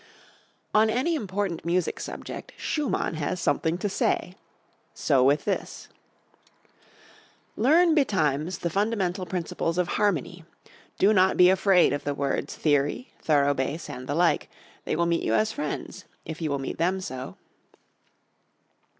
_ On any important music subject Schumann has something to say. So with this: "Learn betimes the fundamental principles of harmony." "Do not be afraid of the words theory, thorough bass, and the like, they will meet you as friends if you will meet them so."